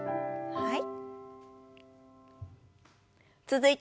はい。